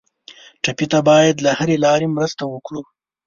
ټپي ته باید له هرې لارې مرسته وکړو.